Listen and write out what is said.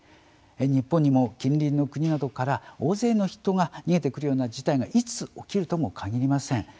日本にも近隣の国などから大勢の人が逃げてくるような事態がいつ起きるともかぎりません。